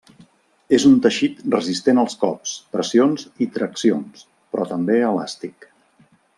És un teixit resistent als cops, pressions i traccions, però també elàstic.